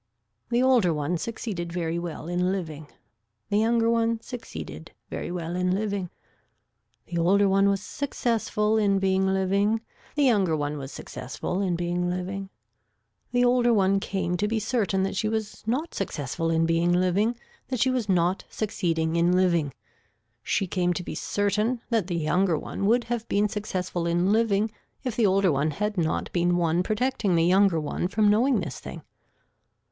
The older one succeeded very well in living. The younger one succeeded very well in living. The older one was successful in being living. The younger one was successful in being living. The older one came to be certain that she was not successful in being living, that she was not succeeding in living, she came to be certain that the younger one would have been successful in living if the older one had not been one protecting the younger one from knowing this thing.